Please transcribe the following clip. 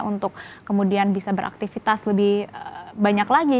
untuk kemudian bisa beraktivitas lebih banyak lagi